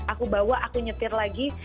aku bawa aku nyetir lagi